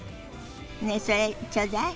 ねえそれちょうだい。